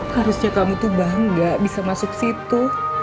harusnya kamu tuh bangga bisa masuk situ